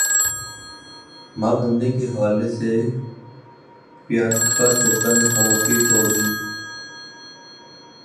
ماں بننے کے حوالے سے پریانکا چوپڑا نے خاموشی توڑ دی